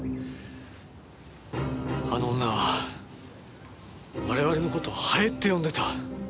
あの女は我々の事ハエって呼んでた。